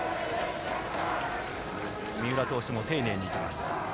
三浦投手も丁寧に行きます。